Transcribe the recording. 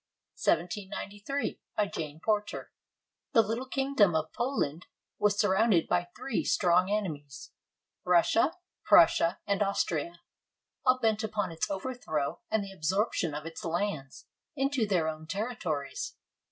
BY JANE PORTER [The little kingdom of Poland was surrounded by three strong enemies, Russia, Prussia, and Austria, all bent upon its overthrow and the absorption of its lands into their own territories.